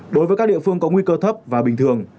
đối với các địa phương có nguy cơ thấp và bình thường